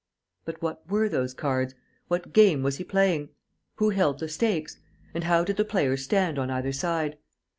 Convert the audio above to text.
But what were those cards? What game was he playing? Who held the stakes? And how did the players stand on either side?